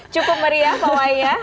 cukup meriah pawainya